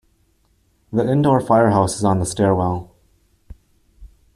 The indoor firehouse is on the stairwell.